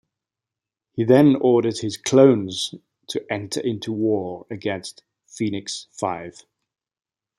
He then orders his clones to enter into war against the Phoenix Five.